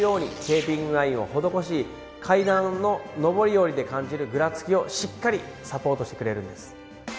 テーピングラインを施し階段の上り下りで感じるぐらつきをしっかりサポートしてくれるんです。